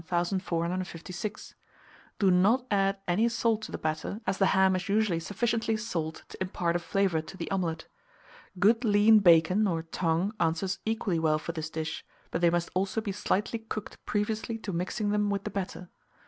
1456. Do not add any salt to the batter, as the ham is usually sufficiently salt to impart a flavour to the omelet. Good lean bacon, or tongue, answers equally well for this dish; but they must also be slightly cooked previously to mixing them with the batter.